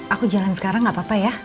aku jalan sekarang gak apa apa ya